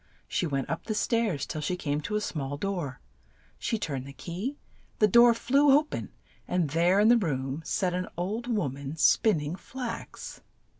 She went up the stairs till she came to a small door. She turned the key, the door flew o pen, and there in the room sat an old wom an spin ning flax.